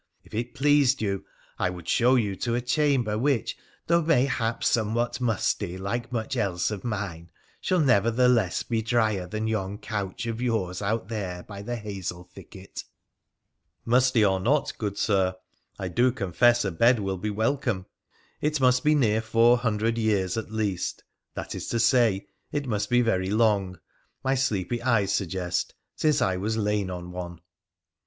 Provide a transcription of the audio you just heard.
If it pleased you, I would show you to a chamber, which, though mayhap somewhat musty, like much else of mine, shall nevertheless be drier than yon couch of yours out there by the hazel thicket.' ' Musty or not, good Sir, I do confess a bed will be welcome. It must be near four hundred years at least — that is to say, it must be very long, my sleepy eyes suggest — since I was lain on one.'